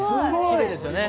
きれいですよね。